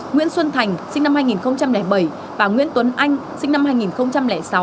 nguyễn xuân thành sinh năm hai nghìn bảy và nguyễn tuấn anh sinh năm hai nghìn sáu